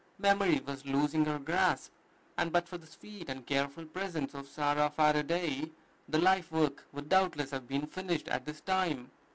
Memory was losing her grasp, and but for the sweet and careful presence of Sarah Faraday, the life work would doubtless have been finished at this time.